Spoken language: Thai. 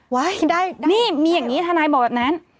ได้นี่มีอย่างนี้ทนายบอกแบบนั้น